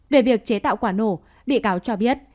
về việc chế tạo quả nổ bị cáo cho biết